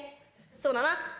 そうだな。